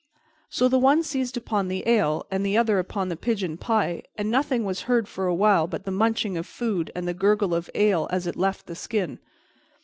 So the one seized upon the ale and the other upon the pigeon pie, and nothing was heard for a while but the munching of food and the gurgle of ale as it left the skin.